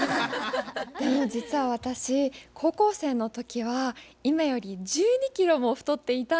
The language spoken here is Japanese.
実は私高校生の時は今より１２キロも太っていたんです。